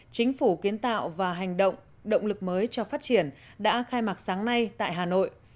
chính phủ kiến tạo và hành động động lực mới cho phát triển đã khai mạc sáng nay tại hà nội